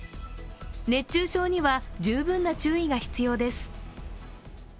熱中症には十分な注意が必要です。